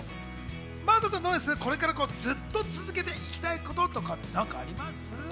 真麻さん、これからずっと続けていきたいことありますか？